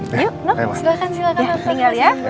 yuk nob silahkan silahkan